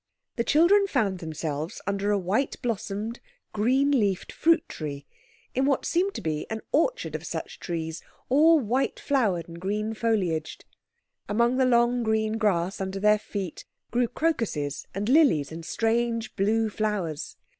The children found themselves under a white blossomed, green leafed fruit tree, in what seemed to be an orchard of such trees, all white flowered and green foliaged. Among the long green grass under their feet grew crocuses and lilies, and strange blue flowers.